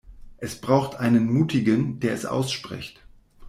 Es braucht einen Mutigen, der es ausspricht.